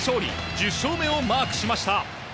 １０勝目をマークしました。